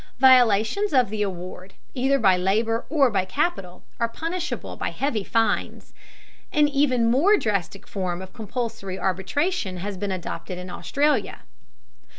Violations of the award, either by labor or by capital, are punishable by heavy fines. An even more drastic form of compulsory arbitration has been adopted in Australia.